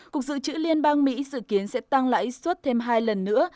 cục dự trữ liên bang mỹ dự kiến sẽ tăng lãi suất thêm hai lần nữa